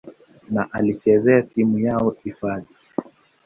na alichezea timu yao hifadhi.